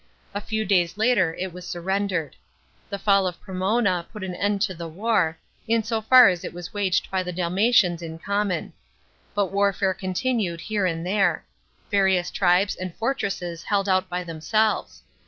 A few days later it was surrendered. The fall of Promona put an end to the war, in so far as it was waged by the Dalmatians in common. But warfare continued here and there; various tribes and fortresses held out by themselves.